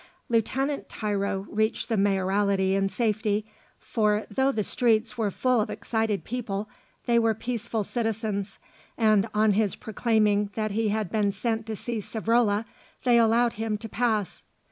Lieutenant Tiro reached the Mayoralty in safety, for though the streets were full of excited people, they were peaceful citizens, and on his proclaiming that he had been sent to see Savrola they allowed him to pass.